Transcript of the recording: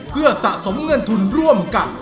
เพื่อสะสมเงินทุนร่วมกัน